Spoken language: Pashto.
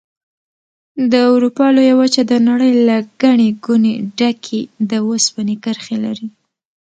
د اروپا لویه وچه د نړۍ له ګڼې ګوڼې ډکې د اوسپنې کرښې لري.